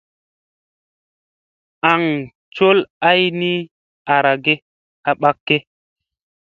Aŋ col ay ni arage a ɓakge.